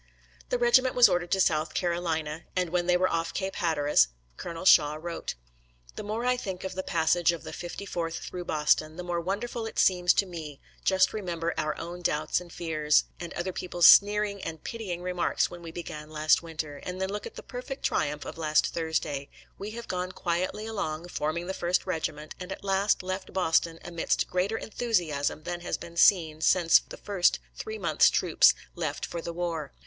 The regiment was ordered to South Carolina, and when they were off Cape Hatteras, Colonel Shaw wrote: The more I think of the passage of the 54th through Boston, the more wonderful it seems to me just remember our own doubts and fears, and other people's sneering and pitying remarks when we began last winter, and then look at the perfect triumph of last Thursday. We have gone quietly along, forming the first regiment, and at last left Boston amidst greater enthusiasm than has been seen since the first three months' troops left for the war.